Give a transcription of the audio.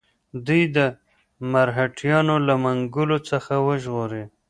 دوی د مرهټیانو له منګولو څخه وژغوري.